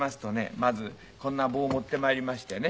まずこんな棒を持ってまいりましてね